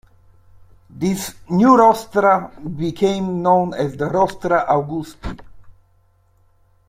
This "New Rostra" became known as the Rostra Augusti.